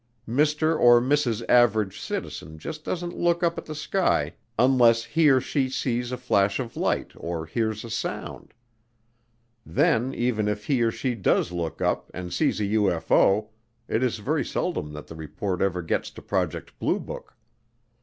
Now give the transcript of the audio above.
Mr. or Mrs. Average Citizen just doesn't look up at the sky unless he or she sees a flash of light or hears a sound. Then even if he or she does look up and sees a UFO, it is very seldom that the report ever gets to Project Blue Book.